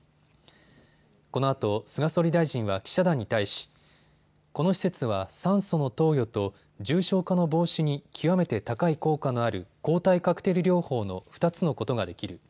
このあと菅総理大臣は記者団に対し、この施設は酸素の投与と重症化の防止に極めて高い効果のある抗体カクテル療法の２つのことができる。